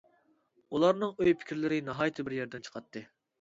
ئۇلارنىڭ ئوي-پىكىرلىرى ناھايىتى بىر يەردىن چىقاتتى.